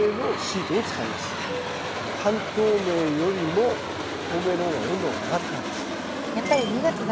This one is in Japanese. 半透明よりも透明の方が温度が上がるからです。